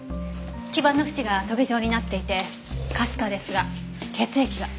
基盤のふちがトゲ状になっていてかすかですが血液が。